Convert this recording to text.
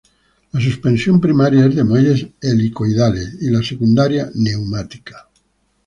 La suspensión primaria es de muelles helicoidales y la secundaria neumática.